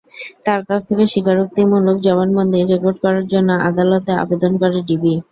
তাঁর কাছ থেকে স্বীকারোক্তিমূলক জবানবন্দি রেকর্ড করার জন্য আদালতে আবেদন করে ডিবি।